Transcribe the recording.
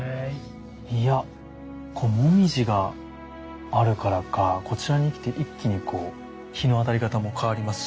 いやもみじがあるからかこちらに来て一気にこう日の当たり方も変わりますし。